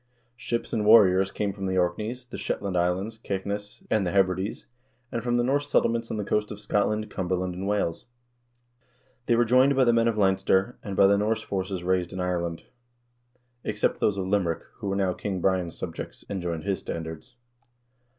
Ships and warriors came from the Orkneys, the Shetland Islands, Caithness, and the Hebrides, and from the Norse settlements on the coast of Scotland, Cumberland, and Wales. They were joined by the men of Leinster, and by the Norse forces raised in Ireland, except those of Limerick, who were now King Brian's subjects, and joined his standards.